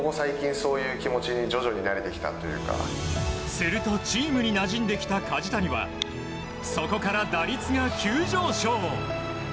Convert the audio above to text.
するとチームになじんできた梶谷はそこから打率が急上昇。